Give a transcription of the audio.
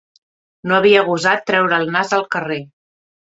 No havia gosat treure el nas al carrer